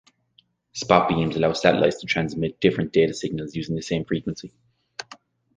Spot beams allow satellites to transmit different data signals using the same frequency.